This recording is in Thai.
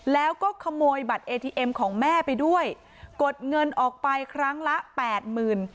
แล้วก็ขโมยบัตรเอทีเอ็มของแม่ไปด้วยกดเงินออกไปครั้งละแปดหมื่น